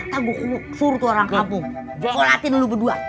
kalo gua suruh ke orang kampung sholatin lu berdua